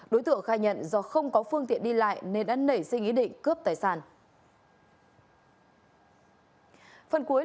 đối tượng khai nhận do không có phương tiện đi lại nên đã nảy sinh ý định cướp tài sản